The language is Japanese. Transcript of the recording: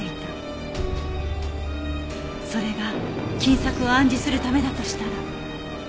それが金策を暗示するためだとしたら。